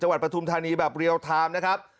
ปฐุมธานีแบบเรียลไทม์นะครับ